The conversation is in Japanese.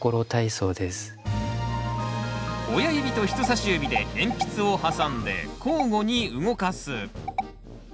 親指と人さし指で鉛筆を挟んで交互に動かす。